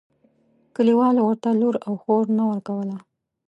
کلیوالو ورته لور او خور نه ورکوله.